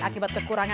terima kasih banyak